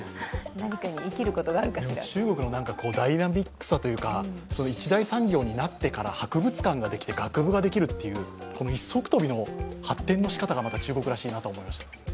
中国のダイナミックさというか一大産業になってから博物館ができて、学部ができるという一足飛びの発展の仕方がまた中国らしいなと思いました。